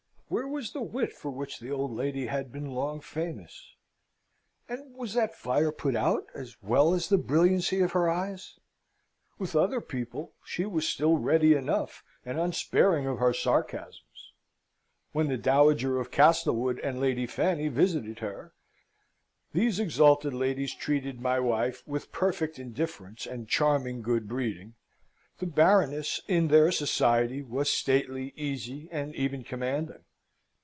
Where was the wit for which the old lady had been long famous? and was that fire put out, as well as the brilliancy of her eyes? With other people she was still ready enough, and unsparing of her sarcasms. When the Dowager of Castlewood and Lady Fanny visited her (these exalted ladies treated my wife with perfect indifference and charming good breeding), the Baroness, in their society, was stately, easy, and even commanding.